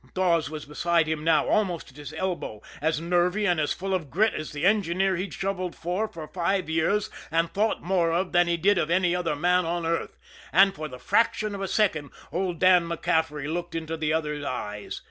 Dawes was beside him now, almost at his elbow, as nervy and as full of grit as the engineer he'd shovelled for for five years and thought more of than he did of any other man on earth and for the fraction of a second old Dan MacCaffery looked into the other's eyes.